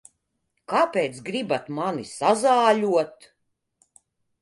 Kāpēc gribat mani sazāļot?